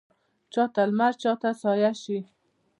چا ته لمر چا ته سایه شي